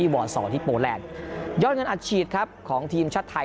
วอร์๒ที่โปแลนด์ยอดเงินอัดฉีดครับของทีมชาติไทย